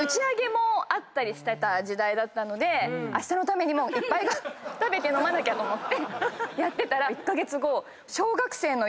あったりしてた時代だったのであしたのためにもいっぱい食べて飲まなきゃと思ってやってたら１カ月後。